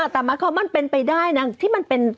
แต่มันเป็นไปได้นะที่มันเป็น